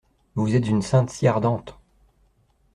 Vous êtes une sainte si ardente!